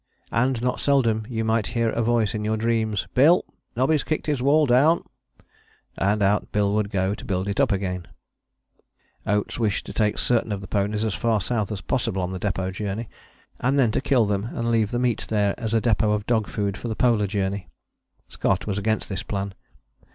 And not seldom you might hear a voice in your dreams: "Bill! Nobby's kicked his wall down"; and out Bill would go to build it up again. [Illustration: DOGSKIN 'MITTS'] [Illustration: SLEDGING SPOON, CUP AND PANNIKIN] Oates wished to take certain of the ponies as far south as possible on the Depôt journey, and then to kill them and leave the meat there as a depôt of dog food for the Polar Journey. Scott was against this plan.